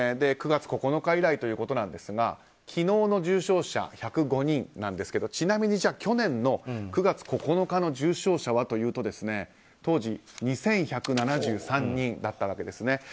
９月９日以来ということですが昨日の重症者１０５人なんですけどちなみに去年の９月９日の重症者はというと当時２１７３人だったわけですね。